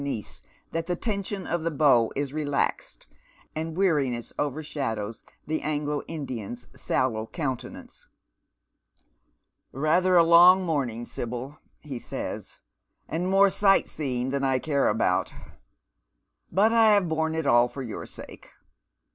143 llifl niece that the tension of the bow is relaxed, and weariness overshadows the Anglo Indian's sallow countenance. " llather a long morning, Sibyl," he says, "and more sight Beeing than I care about ; but I have borne it all for your sake.